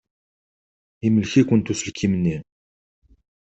Imlek-ikent uselkim-nni.